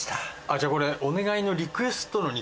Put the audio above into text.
じゃあこれお願いのリクエストの肉？